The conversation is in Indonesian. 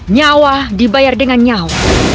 nyawa dibayar dengan nyawa